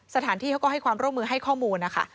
สถานที่เขาก็ให้ความร่วมมือให้ข้อมูลนะคะ